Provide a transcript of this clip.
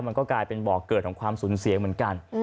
มันก็กลายเป็นบ่อเกิดของความสูญเสียเหมือนกัน